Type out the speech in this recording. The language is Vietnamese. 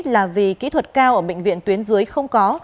là vì kỹ thuật cao ở bệnh viện tuyến dưới không có